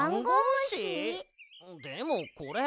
でもこれ。